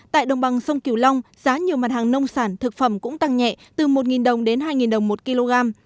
tại đồng bằng sông kiều long giá nhiều mặt hàng nông sản thực phẩm cũng tăng nhẹ từ một đồng đến hai đồng một kg